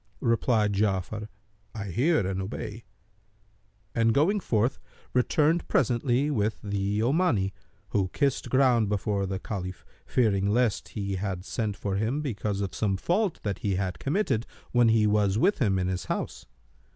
Replied Ja'afar, "I hear and obey," and going forth, returned presently with the Omani, who kissed ground before the Caliph, fearing lest he had sent for him because of some fault that he had committed when he was with him in his house.